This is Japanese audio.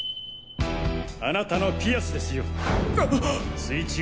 あなたのピアスですよ。